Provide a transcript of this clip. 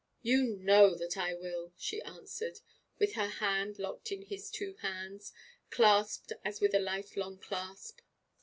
'You know that I will,' she answered, with her hand locked in his two hands, clasped as with a life long clasp.